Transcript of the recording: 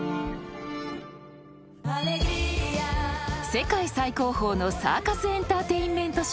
［世界最高峰のサーカスエンターテインメント集団］